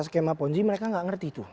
skema ponzi mereka nggak ngerti tuh